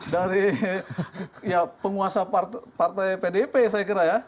dari penguasa partai pdp saya kira ya